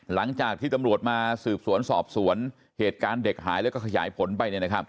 หลังจากที่ตำรวจมาสืบสวนสอบสวนเหตุการณ์เด็กหายแล้วก็ขยายผลไป